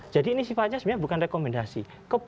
jadi ini sifatnya sebenarnya bukan rekomendasi